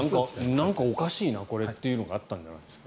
なんかおかしいなこれっていうのがあったんじゃないですか？